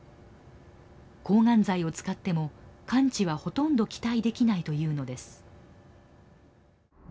抗がん剤を使っても完治はほとんど期待できないというのです。